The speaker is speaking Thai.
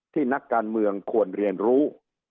นักการเมืองควรเรียนรู้